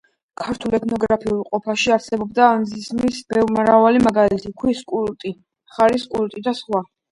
ქართულ ეთნოგრაფიულ ყოფაში არსებობდა ანიმიზმის მრავალი მაგალითი: ქვის კულტი, ხარის კულტი და სხვა.